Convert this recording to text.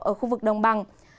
ở khu vực đồng bằng